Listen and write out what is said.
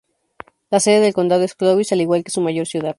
La sede del condado es Clovis, al igual que su mayor ciudad.